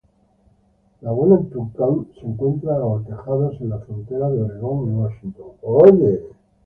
La Wenaha-Tucannon se encuentra a horcajadas en la frontera de Oregón y Washington.